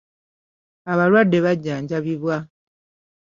Abalwadde bajjanjabibwa.